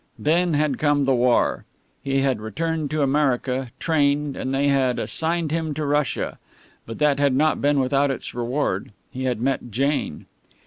Then had come the war. He had returned to America, trained, and they had assigned him to Russia. But that had not been without its reward he had met Jane.